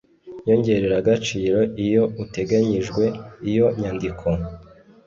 Nyongeragaciro iyo uteganyijwe iyo nyandiko